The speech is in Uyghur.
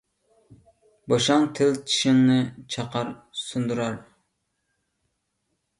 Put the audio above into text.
بوشاڭ تىل چىشىڭنى چاقار - سۇندۇرار.